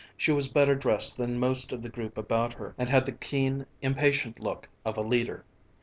She was better dressed than most of the group about her and had the keen, impatient look of a leader.